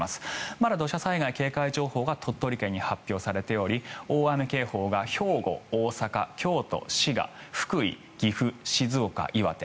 まだ土砂災害警戒情報が鳥取県に発表されており大雨警報が兵庫、大阪、京都、滋賀福井、岐阜、静岡、岩手。